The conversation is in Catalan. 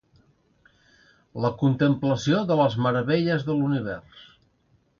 La contemplació de les meravelles de l'univers.